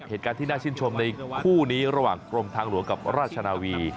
เหตุการณ์ที่น่าชื่นชมในคู่นี้ระหว่างกรมทางหลวงกับราชนาวี